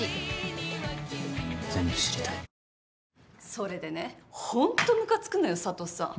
それでねホントムカつくのよ佐都さん。